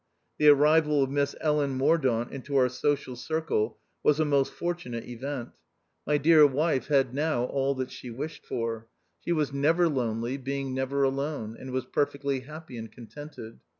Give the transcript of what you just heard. The arrival of Miss Ellen Mordaunt into our social circle was a most fortunate event : my dear wife had THE OUTCAST. 173 now all that she wished for ; she was never lonely, being never alone ; and was perfectly happy and contented.